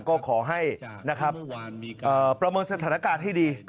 ก็ขอให้นะครับประเมินสถานการณ์ให้ดี